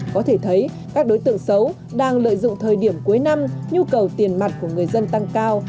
có thể thấy các đối tượng xấu đang lợi dụng thời điểm cuối năm nhu cầu tiền mặt của người dân tăng cao